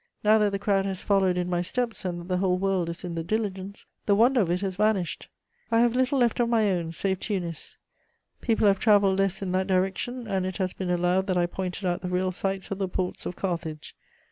Now that the crowd has followed in my steps and that the whole world is in the diligence, the wonder of it has vanished; I have little left of my own save Tunis: people have travelled less in that direction, and it has been allowed that I pointed out the real sights of the ports of Carthage.